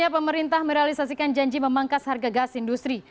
pemerintah merealisasikan janji memangkas harga gas industri